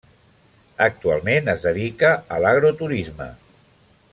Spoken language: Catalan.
Actualment es dedica a l'agroturisme.